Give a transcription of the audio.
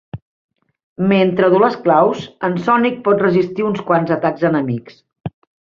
Mentre duu les claus, en Sonic pot resistir uns quants atacs enemics.